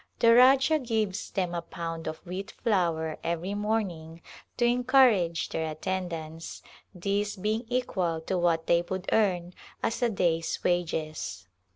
The Rajah gives them a pound of wheat flour every morning to encourage their attendance, this being equal to what they would earn as a day's wages.